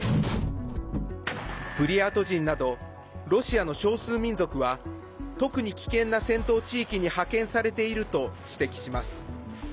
ブリヤート人などロシアの少数民族は特に危険な戦闘地域に派遣されていると指摘します。